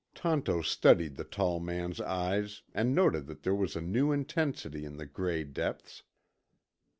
Tonto studied the tall man's eyes and noted that there was a new intensity in the gray depths.